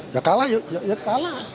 ya kalah ya kalah